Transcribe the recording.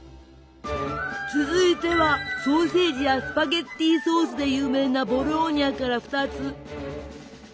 続いてはソーセージやスパゲッティソースで有名なボローニャから２つ！